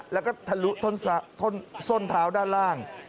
แล้วก็ทะลุ้นเท้าด้านล่าง